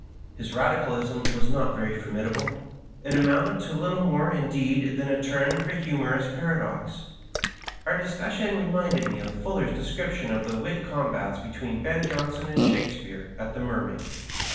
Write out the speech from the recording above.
His Radicalism was not very formidable ; it amounted to Uttle more, indeed, than a turn for humorous paradox. Our discussion reminded me of Fuller's description of the wit combats between Ben Johnson and Shakespeare at the "Mermaid."